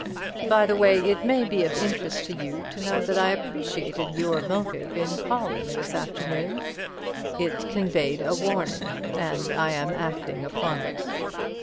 By the way, it may be of interest to you to know that I appreciated your motive in calling this afternoon. It conveyed a warning, and I am acting upon it.